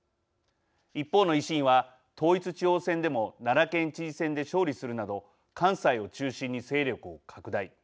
一方の維新は統一地方選でも奈良県知事選で勝利するなど関西を中心に勢力を拡大。